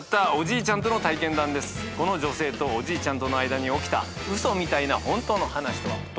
この女性とおじいちゃんとの間に起きた嘘みたいな本当の話とは。